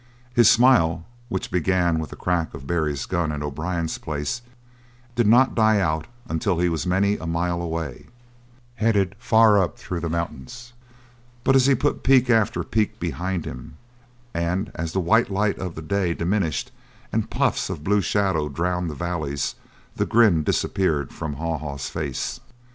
His smile, which began with the crack of Barry's gun in O'Brien's place, did not die out until he was many a mile away, headed far up through the mountains; but as he put peak after peak behind him and as the white light of the day diminished and puffs of blue shadow drowned the valleys, the grin disappeared from Haw Haw's face.